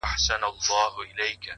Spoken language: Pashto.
بېغمه _ غمه د هغې _ هغه چي بيا ياديږي